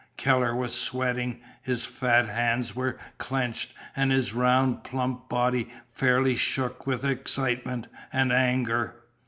Keller was sweating. His fat hands were clenched, and his round, plump body fairly shook with excitement and anger.